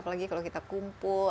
apalagi kalau kita kumpul